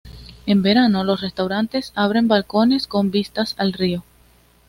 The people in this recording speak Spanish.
En verano, los restaurantes abren balcones con vistas al río.